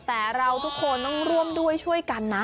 แต่เราทุกคนต้องร่วมด้วยช่วยกันนะ